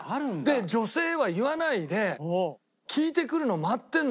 で女性は言わないで聞いてくるのを待ってるのかもわかんない。